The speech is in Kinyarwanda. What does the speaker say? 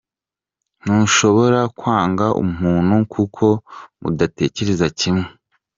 Ntushobora kwanga umuntu kuko mudatekereza kimwe.